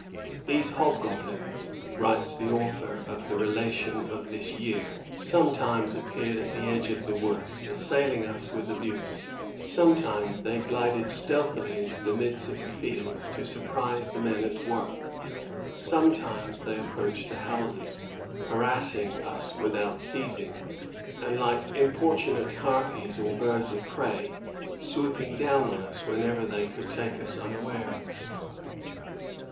^* These hobgoblins," writes the author of the Sdation of this year, ^^ sometimes appeared at the edge of the woods, assailing us with abuse; sometimes they glided stealthily into the midst of the fields, to surprise the men at work; sometimes they approached the houses, harassing us without ceasing, and, like importunate harpies or birds of prey, swooping down on us whenever they could take us unawares."